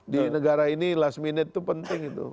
di negara ini last minute tuh penting itu